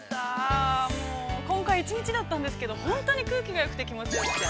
◆今回１日だったんですけど、本当に空気がよくて、気持ちがよくて。